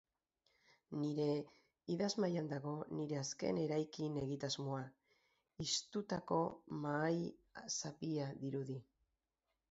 Nire idazmahaian dago nire azken eraikin-egitasmoa, histutako mahai-zapia dirudi.